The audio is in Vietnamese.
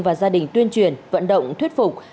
và gia đình tuyên truyền vận động thuyết phục